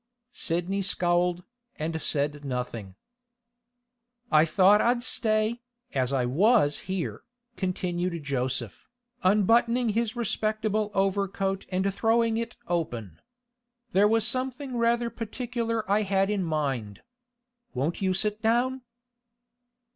Sidney scowled, and said nothing. 'I thought I'd stay, as I was here,' continued Joseph, unbuttoning his respectable overcoat and throwing it open. 'There was something rather particular I had in mind. Won't you sit down?